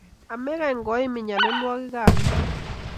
amekany koimin nyolilwokikab ingweny